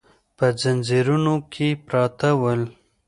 په ځنځیرونو کې پراته ول.